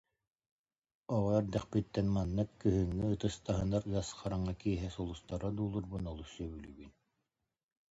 Оҕо эрдэхпиттэн маннык, күһүҥҥү ытыс таһынар ыас хараҥа киэһэ сулустары одуулуурбун олус сөбүлүүбүн